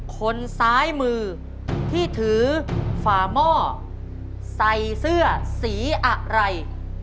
คนซ้ายมือที่ถือฝาหม้อใส่เสื้อสีอะไร